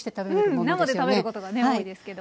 生で食べることがね多いですけど。